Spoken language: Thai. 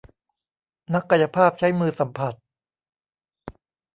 นักกายภาพใช้มือสัมผัส